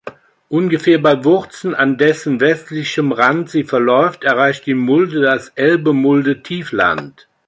Ungefähr bei Wurzen, an dessen westlichem Rand sie verläuft, erreicht die Mulde das Elbe-Mulde-Tiefland.